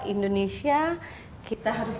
indonesia kita harus